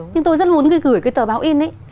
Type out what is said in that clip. nhưng tôi rất muốn gửi cái tờ báo in ấy